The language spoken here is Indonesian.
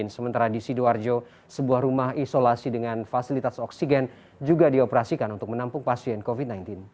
sementara di sidoarjo sebuah rumah isolasi dengan fasilitas oksigen juga dioperasikan untuk menampung pasien covid sembilan belas